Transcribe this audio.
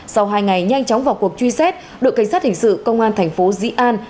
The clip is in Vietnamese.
sau hai ngày nhanh chóng vào cuộc truy xét đội cảnh sát hình sự công an thành phố dĩ an